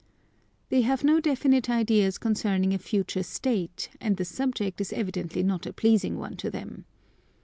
They have no definite ideas concerning a future state, and the subject is evidently not a pleasing one to them.